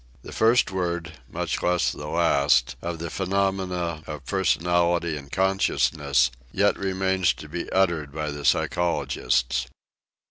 The first word, much less the last, of the phenomena of personality and consciousness yet remains to be uttered by the psychologists.